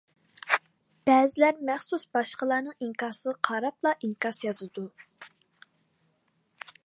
بەزىلەر مەخسۇس باشقىلارنىڭ ئىنكاسىغا قاراپلا ئىنكاس يازىدۇ.